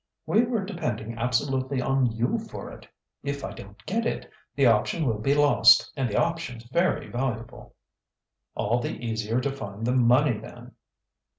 "We were depending absolutely on you for it. If I don't get it, the option will be lost, and the option's very valuable." "All the easier to find the money then!"